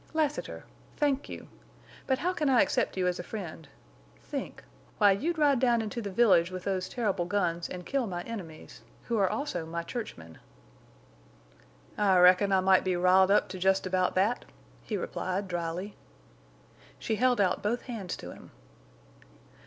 "Lassiter!... Thank you. But how can I accept you as a friend? Think! Why, you'd ride down into the village with those terrible guns and kill my enemies—who are also my churchmen." "I reckon I might be riled up to jest about that," he replied, dryly. She held out both hands to him.